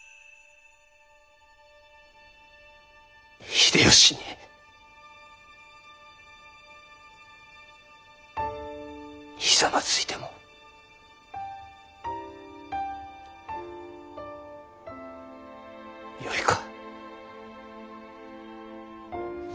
秀吉にひざまずいてもよいか？